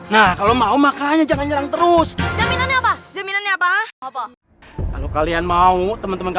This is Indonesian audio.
nah kalau mau makanya jangan terus jaminan apa jaminan apa kalau kalian mau teman teman